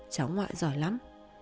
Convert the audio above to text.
cháu ngoại giỏi lắm